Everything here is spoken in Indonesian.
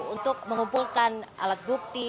untuk mengumpulkan alat bukti